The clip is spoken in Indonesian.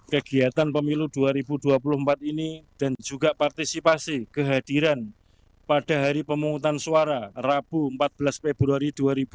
kegiatan pemilu dua ribu dua puluh empat ini dan juga partisipasi kehadiran pada hari pemungutan suara rabu empat belas februari dua ribu dua puluh